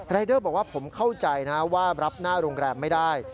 เดอร์บอกว่าผมเข้าใจนะว่ารับหน้าโรงแรมไม่ได้